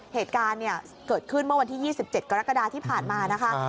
เหตุการณ์เกิดขึ้นเมื่อวันที่๒๗กรกฎาที่ผ่านมานะคะ